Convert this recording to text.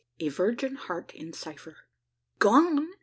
A VIRGIN HEART IN CIPHER. "Gone!